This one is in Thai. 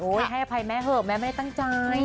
ให้อภัยแม่เถอะแม่ไม่ได้ตั้งใจ